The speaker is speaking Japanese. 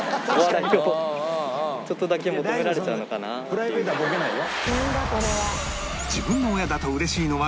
プライベートはボケないよ。